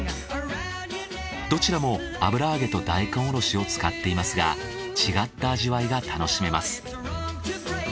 どちらも油揚げと大根おろしを使っていますが違った味わいが楽しめます。